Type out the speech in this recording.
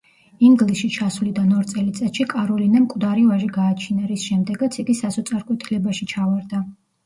ინგლისში ჩასვლიდან ორ წელიწადში კაროლინამ მკვდარი ვაჟი გააჩინა, რის შემდეგაც იგი სასოწარკვეთილებაში ჩავარდა.